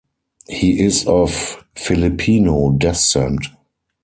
He is of Filipino descent.